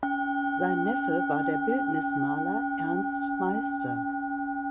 Sein Neffe war der Bildnismaler Ernst Meister.